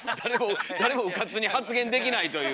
誰もうかつに発言できないという。